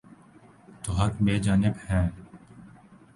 تو حق بجانب ہیں۔